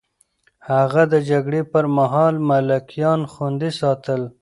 هغه د جګړې پر مهال ملکيان خوندي ساتل.